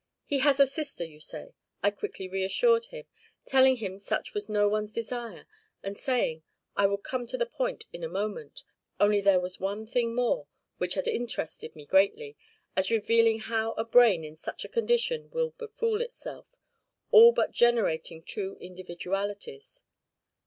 He has a sister, you say?' I quickly reassured him, telling him such was no one's desire, and saying I would come to the point in a moment, only there was one thing more which had interested me greatly, as revealing how a brain in such a condition will befool itself, all but generating two individualities.